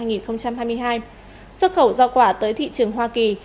xuất khẩu do quả tới thị trường hoa kỳ